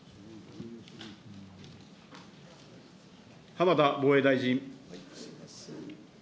浜田防衛大臣。